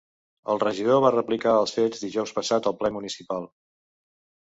El regidor va explicar els fets dijous passat al ple municipal.